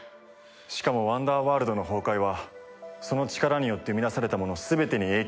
しかもワンダーワールドの崩壊はその力によって生み出されたもの全てに影響を及ぼす。